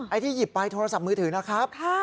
ที่หยิบไปโทรศัพท์มือถือนะครับ